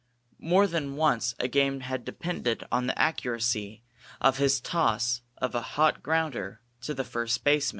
More than once a game had depended on the accuracy of his toss of a hot grounder to the first baseman.